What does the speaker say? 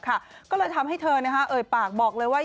ก็เลยทำให้เธอเอ่ยปากบอกเลยว่า